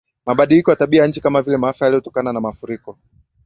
Mabadiliko ya tabia nchi kama vile maafa yaliyotokana na mafuriko